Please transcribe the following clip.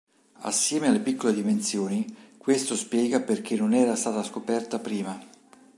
Assieme alle piccole dimensioni, questo spiega perché non era stata scoperta prima.